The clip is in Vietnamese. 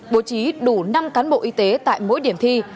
bố trí đủ năm cán bộ y tế tại mỗi điểm thi